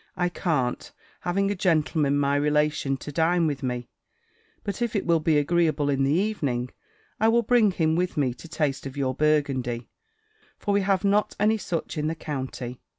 "I can't, having a gentleman, my relation, to dine with me; but if it will be agreeable in the evening, I will bring him with me to taste of your Burgundy: for we have not any such in the county."